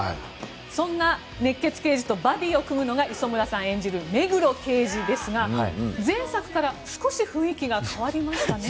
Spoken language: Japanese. そんな熱血刑事とバディを組むのが磯村さん演じる目黒刑事ですが前作から少し雰囲気が変わりましたね。